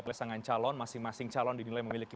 pasangan calon masing masing calon dinilai memiliki